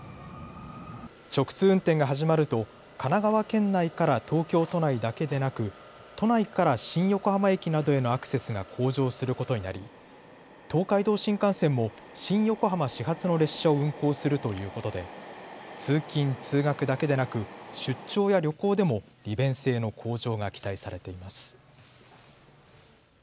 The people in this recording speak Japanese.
直通運転が始まると神奈川県内から東京都内だけでなく都内から新横浜駅などへのアクセスが向上することになり東海道新幹線も新横浜始発の列車を運行するということで通勤通学だけでなく出張や旅行でも利便性の向上が期待されています。